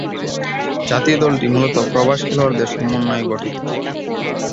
জাতীয় দলটি মূলত প্রবাসী খেলোয়াড়দের সমন্বয়ে গঠিত।